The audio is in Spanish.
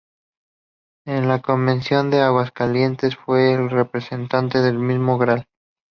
En la Convención de Aguascalientes fue el representante del mismísimo Gral.